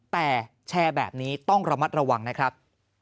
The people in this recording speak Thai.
แต่แชร์แบบนี้ต้องระมัดระวังนะครับ